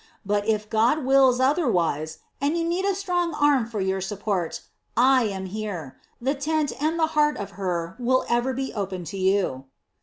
But if God wills otherwise, and you need a strong arm for your support, I am here. The tent and the heart of Hur will ever be open to you."